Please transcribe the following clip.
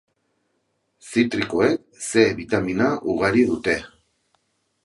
Zitrikoek C bitamina ugari dute.